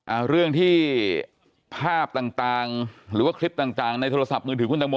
อ่าเรื่องที่ภาพต่างต่างหรือว่าคลิปต่างต่างในโทรศัพท์มือถือคุณตังโม